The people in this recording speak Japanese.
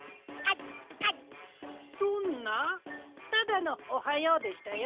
ただの「おはよう」でしたよ。